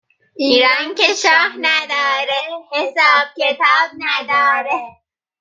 ایران که شاه نداره حساب کتاب نداره